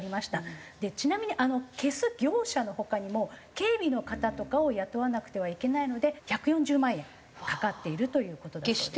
ちなみに消す業者の他にも警備の方とかを雇わなくてはいけないので１４０万円かかっているという事だそうです。